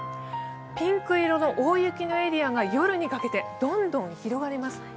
ピンク色の大雪のエリアが夜にかけてどんどん広がります。